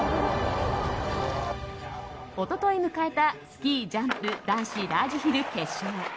一昨日迎えた、スキージャンプ男子ラージヒル決勝。